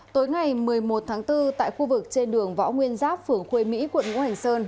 tối ngày một mươi một tháng bốn tại khu vực trên đường võ nguyên giáp phường khuê mỹ quận ngũ hành sơn